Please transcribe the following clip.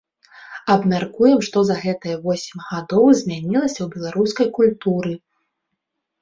Абмяркуем, што за гэтыя восем гадоў змянілася ў беларускай культуры.